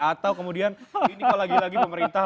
atau kemudian ini kok lagi lagi pemerintah